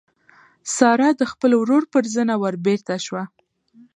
سارا د خپل ورور پر زنه وربېرته شوه.